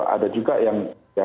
ada juga yang